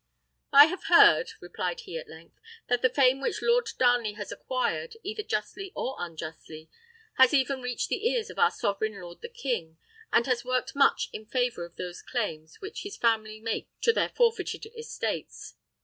"I have heard," replied he at length, "that the fame which Lord Darnley has acquired, either justly or unjustly, has even reached the ears of our sovereign lord the king, and has worked much in favour of those claims which his family make to their forfeited estates.